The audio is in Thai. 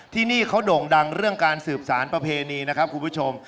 ที่นี่เขาโด่งดังเรื่องการสืบสารประเพณีนะครับคุณผู้ชม